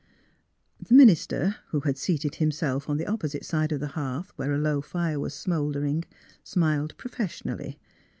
The minister, who had seated himself on the opposite side of the hearth, where a low fire was smouldering, smiled professionally.